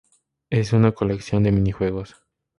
Es una colección de minijuegos.